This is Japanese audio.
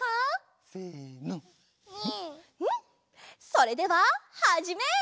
それでははじめい！